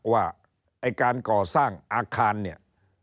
ว่าไอ้การก่อสร้างอาคารเนี่ย